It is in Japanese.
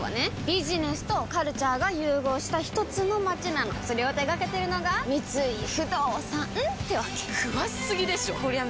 ビジネスとカルチャーが融合したひとつの街なのそれを手掛けてるのが三井不動産ってわけ詳しすぎでしょこりゃ